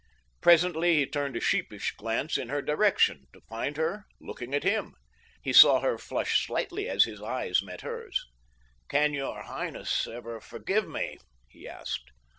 Presently he turned a sheepish glance in her direction, to find her looking at him. He saw her flush slightly as his eyes met hers. "Can your highness ever forgive me?" he asked.